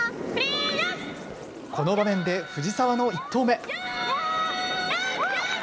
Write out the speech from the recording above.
この場面で藤澤の１投目。